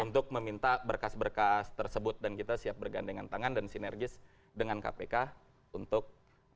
untuk meminta berkas berkas tersebut dan kita siap bergandengan tangan dan sinergis dengan kpk untuk